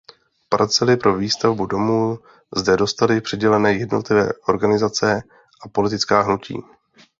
Parcely pro výstavbu domů zde dostaly přidělené jednotlivé organizace a politická hnutí.